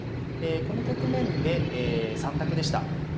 この局面で３択でした。